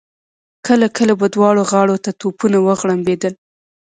کله کله به دواړو غاړو ته توپونه وغړمبېدل.